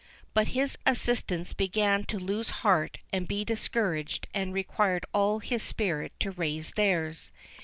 But his assistants began to lose heart and be discouraged, and required all his spirit to raise theirs.